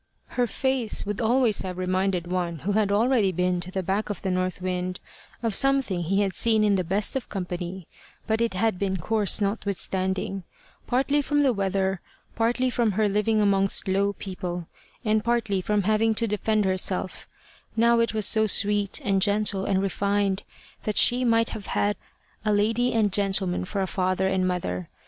Her face would always have reminded one who had already been to the back of the north wind of something he had seen in the best of company, but it had been coarse notwithstanding, partly from the weather, partly from her living amongst low people, and partly from having to defend herself: now it was so sweet, and gentle, and refined, that she might have had a lady and gentleman for a father and mother.